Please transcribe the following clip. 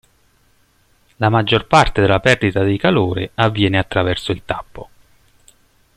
La maggior parte della perdita di calore avviene attraverso il tappo.